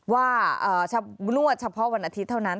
ว่านวดเฉพาะวันอาทิตย์เท่านั้น